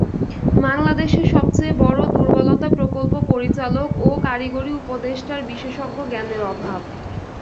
বাংলাদেশের সবচেয়ে বড় দুর্বলতা প্রকল্প পরিচালক ও কারিগরি উপদেষ্টার বিশেষজ্ঞ জ্ঞানের অভাব।